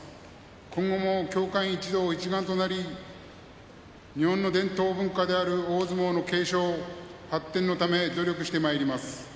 今後も協会員一同、一丸となり日本の伝統文化である大相撲の継承、発展のため努力してまいります。